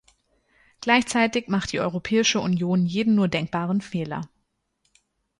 Gleichzeitig macht die Europäische Union jeden nur denkbaren Fehler.